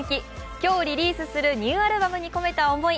今日リリースするニューアルバムに込めた思い